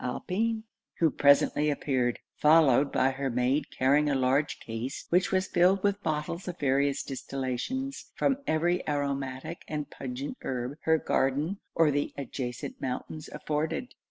Alpin; who presently appeared, followed by her maid carrying a large case which was filled with bottles of various distillations from every aromatic and pungent herb her garden or the adjacent mountains afforded.